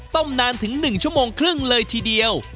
ต้มนานถึง๑ชั่วโมงครึ่งเลยทีเดียว